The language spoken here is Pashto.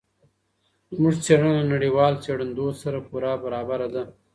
زموږ څېړنه له نړیوال څېړندود سره پوره برابره ده.